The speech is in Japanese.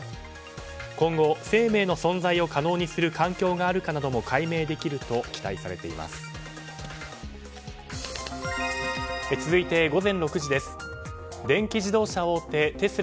今後生命の存在を可能にする環境があるかなども解明できると期待されています。